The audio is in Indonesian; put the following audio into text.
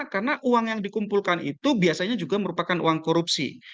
karena uang yang dikumpulkan itu biasanya juga merupakan uang korupsi